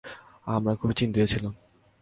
আমরা খুব চিন্তিত ছিলাম।